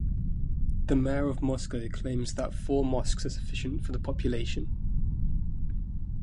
The mayor of Moscow claims that four mosques are sufficient for the population.